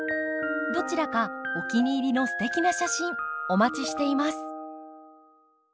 どちらかお気に入りのすてきな写真お待ちしています。